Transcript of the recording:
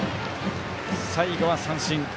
最後は三振。